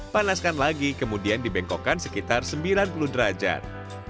panaskan lagi kemudian dibengkokkan sekitar sembilan puluh derajat